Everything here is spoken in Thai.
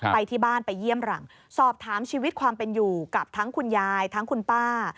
ไปที่บ้านไปเยี่ยมหลังสอบถามชีวิตความเป็นอยู่กับทั้งคุณยายทั้งคุณป้า